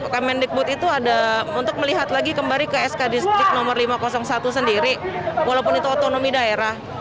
kemendikbud itu ada untuk melihat lagi kembali ke sk distrik nomor lima ratus satu sendiri walaupun itu otonomi daerah